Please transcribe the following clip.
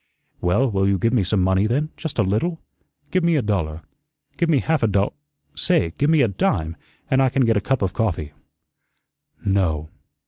"Well, will you give me some money then just a little? Give me a dollar. Give me half a dol Say, give me a DIME, an' I can get a cup of coffee." "No."